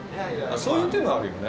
そういう手もあるよね。